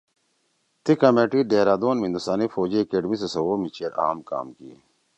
تی کمیٹی ڈیرہ دون می ہندوستانی فوجی اکیڈمی سی سوَؤ می چیر اہم کام کی